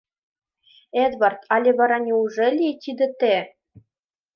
— Эдвард, але вара неужели тиде те?